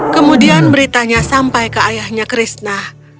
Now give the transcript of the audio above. kemudian beritanya sampai ke ayahnya krishna